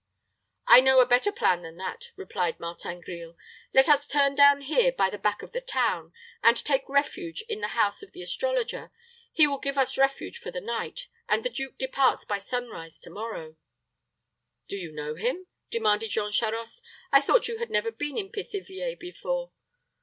"I know a better plan than that," replied Martin Grille. "Let us turn down here by the back of the town, and take refuge in the house of the astrologer. He will give us refuge for the night, and the duke departs by sunrise to morrow." "Do you know him?" demanded Jean Charost. "I thought you had never been in Pithiviers before."